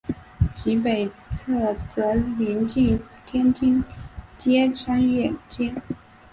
其北侧则邻近天津街商业街。